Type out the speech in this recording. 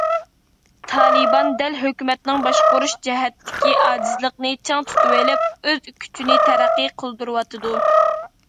تالىبان دەل ھۆكۈمەتنىڭ باشقۇرۇش جەھەتتىكى ئاجىزلىقىنى چىڭ تۇتۇۋېلىپ، ئۆز كۈچىنى تەرەققىي قىلدۇرۇۋاتىدۇ.